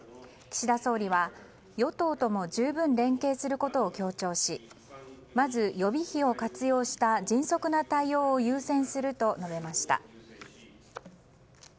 岸田総理は、与党とも十分連携することを強調しまず予備費を活用した迅速な対応を優先すると述べました。